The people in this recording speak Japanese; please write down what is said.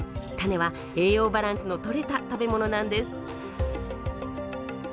種は栄養バランスのとれた食べ物なんです。